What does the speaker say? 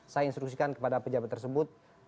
saya instruksikan kepada pejabat tersebut